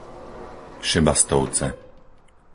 Šebastovce